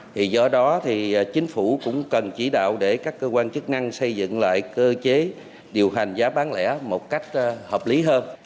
thì do đó thì chính phủ cũng cần chỉ đạo để các cơ quan chức năng xây dựng lại cơ chế điều hành giá bán lẻ một cách hợp lý hơn